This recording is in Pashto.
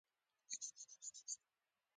وړانګې مو وکرلې ځي چې اوس یې کرته ورځو